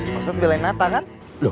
pak ustadz belain nata kan